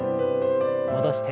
戻して。